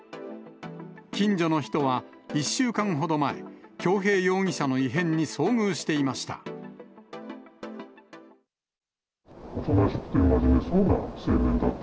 近所の人は、１週間ほど前、恭平容疑者の異変に遭遇していました。